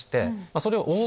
それを。